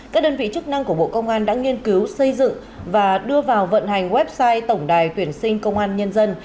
các đơn vị chức năng của bộ công an đã nghiên cứu xây dựng và đưa vào vận hành website tổng đài tuyển sinh công an nhân dân